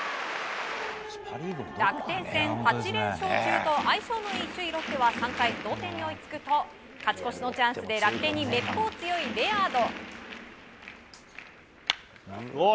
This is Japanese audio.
楽天戦８連勝中と相性の良い首位ロッテは３回、同点に追いつくと勝ち越しのチャンスで楽天にめっぽう強いレアード。